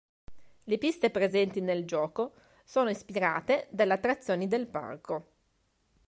Le piste presenti nel gioco sono ispirate dalle attrazioni del parco.